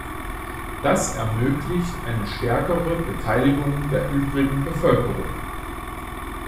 Das ermöglicht eine stärkere Beteiligung der übrigen Bevölkerung.